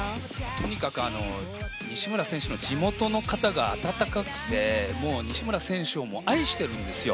とにかく西村選手の地元の方が温かくてもう西村選手を愛してるんですよ。